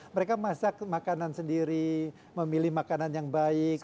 mereka masak makanan sendiri memilih makanan yang baik